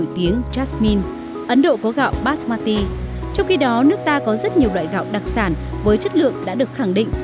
trong khi đó nước ta có rất nhiều loại gạo đặc sản với chất lượng đã được khẳng định